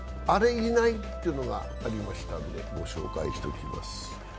いない？というのがありましたんでご紹介しておきます。